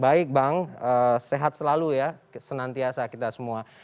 baik bang sehat selalu ya senantiasa kita semua